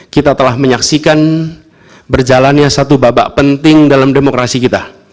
kita telah menyaksikan berjalannya satu babak penting dalam demokrasi kita